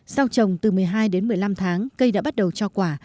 sau trồng từ một mươi hai đến một mươi năm tháng cây đã bắt đầu cho quả